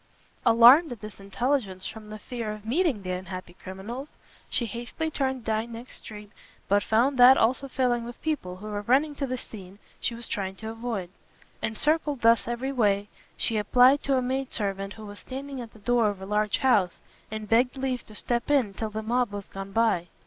Alarmed at this intelligence from the fear of meeting the unhappy criminals, she hastily turned down the next street, but found that also filling with people who were running to the scene she was trying to avoid: encircled thus every way, she applied to a maidservant who was standing at the door of a large house, and begged leave to step in till the mob was gone by.